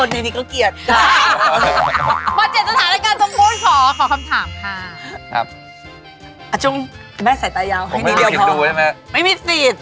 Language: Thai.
ไม่มีฝีต